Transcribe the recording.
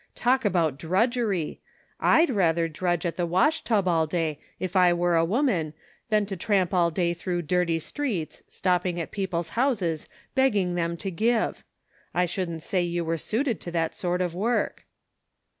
Talk about drudgery ! Td rather drudge at the wash tub all day if I were a woman than to tramp all day through dirty streets, stopping at people's houses, begging them to give ! I shouldn't say you were suited to that sort of work."